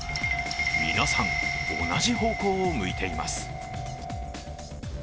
皆さん、同じ方向を向いています。